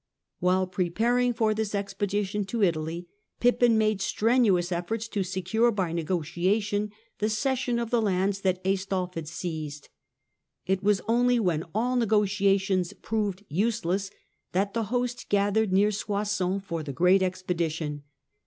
While preparing for his expedition to Italy Pippin lade strenuous efforts to secure by negotiation the jssion of the lands that Aistulf had seized. It was only hen all negotiations proved useless that the host athered near Soissons for the great expedition.